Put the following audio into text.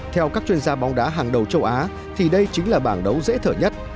theo các chuyên gia bóng đá hàng đầu châu á thì đây chính là bảng đấu dễ thở nhất